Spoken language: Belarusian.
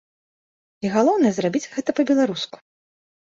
І, галоўнае, зрабіць гэта па-беларуску.